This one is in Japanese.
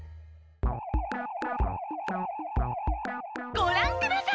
「ごらんください！